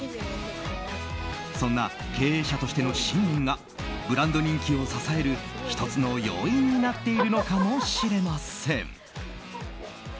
そんな経営者としての信念がブランド人気を支える１つの要因になっているのかもしれません。